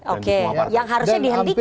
oke yang harusnya dihentikan